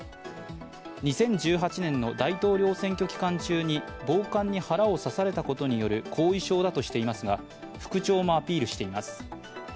２０１８年の大統領選挙期間中に暴漢に腹を刺されたことによる後遺症だとしていますが、復調もアピールしています。